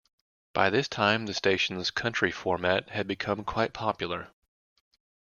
By this time the station's country format had become quite popular.